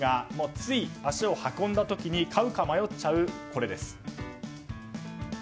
つい足を運んだ時に買うか迷っちゃうこれです。